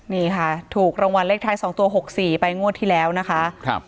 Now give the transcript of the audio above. นี่ค่ะถูกรางวัลเลขท้ายสองตัวหกสี่ไปงวดที่แล้วนะคะครับ